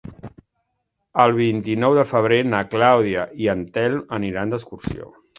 El vint-i-nou de febrer na Clàudia i en Telm aniran d'excursió.